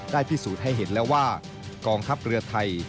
พิสูจน์ให้เห็นแล้วว่ากองทัพเรือไทย